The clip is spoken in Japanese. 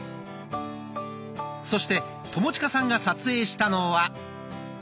そして友近さんが撮影したのは。